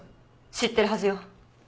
知ってるはずよ。